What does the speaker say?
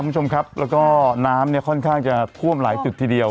คุณผู้ชมครับแล้วก็น้ำเนี่ยค่อนข้างจะท่วมหลายจุดทีเดียว